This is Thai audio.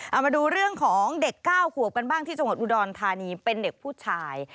เอามาดูเรื่องของเด็ก๙ขวบกันบ้างที่จังหวัดอุดรธานีเป็นเด็กผู้ชาย